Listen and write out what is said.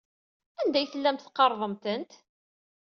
Anda ay tellamt tqerrḍemt-ten?